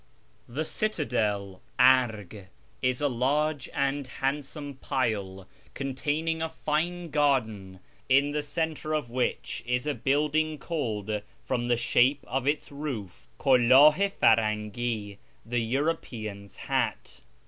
The citadel (Arg) is a large and handsome pile containing a fine garden, in the centre of which is a building called, from the shape of its roof, KuWi i Firangi (" the European's Hat